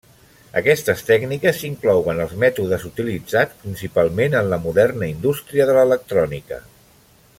Aquestes tècniques inclouen els mètodes utilitzats principalment en la moderna indústria de l'electrònica.